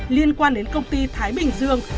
liên quan đến công ty thái bình dương